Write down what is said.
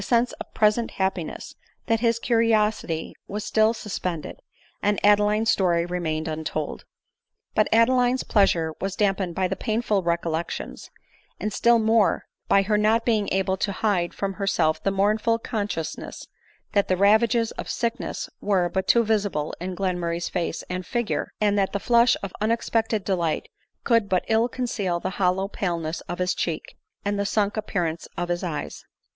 77 sense of present happiness, that his curiosity was still suspended, and Adeline's story remained untold. But Adeline's pleasure was damped by painful recollections, and still more by her not being able to hide from herself ' the mournful consciousness that the ravages of sickness were but too Visible in Glenmurray's face an figure, and that the flush of unexpected delight could but ill conceal the hollow paleness of his cheek, and the sunk appear ance of his eyes.